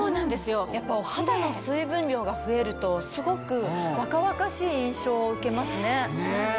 やっぱお肌の水分量が増えるとすごく若々しい印象を受けますね。